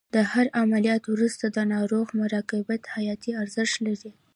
د هر عملیات وروسته د ناروغ مراقبت حیاتي ارزښت لري.